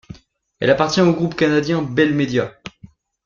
Elle appartient au groupe canadien Bell Media.